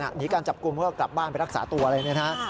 หนีการจับกลุ่มเพื่อกลับบ้านไปรักษาตัวแล้วนะครับ